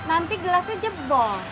nanti gelasnya jebol